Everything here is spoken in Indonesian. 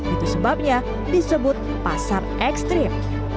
itu sebabnya disebut pasar ekstrim